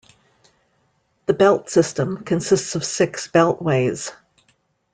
The Belt System consists of six beltways.